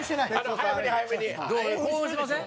興奮してません？